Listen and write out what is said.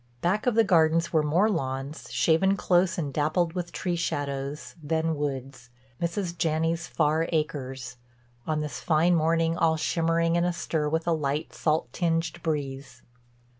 Back of the gardens were more lawns, shaven close and dappled with tree shadows, then woods—Mrs. Janney's far acres—on this fine morning all shimmering and astir with a light, salt tinged breeze.